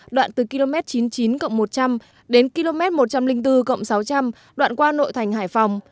đoạn từ km chín mươi chín cộng một trăm linh đến km một trăm linh bốn sáu trăm linh đoạn qua nội thành hải phòng